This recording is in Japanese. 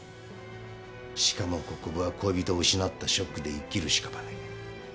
しかも国府は恋人を失ったショックで生きるしかばね。